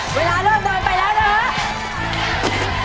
เวลาเริ่มเดินไปแล้วนะครับ